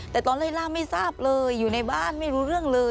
แต่ตอนไล่ล่าไม่ทราบเลยอยู่ในบ้านไม่รู้เรื่องเลย